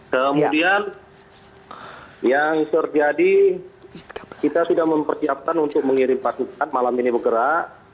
kemudian yang terjadi kita sudah mempersiapkan untuk mengirim pasukan malam ini bergerak